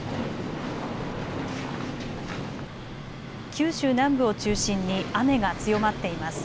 九州南部を中心に雨が強まっています。